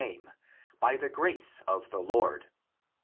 omits : by the grace of the Lord.